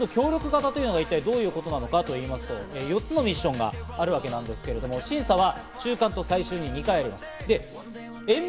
協力型というのが一体どういうことなのかと言いますと、４つのミッションがあるわけなんですけれども、審査は中間と最終の２回あります。